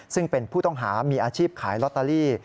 ซึ่งเป็นผู้ต้องหามีอาชีพขายลอตเตอรี่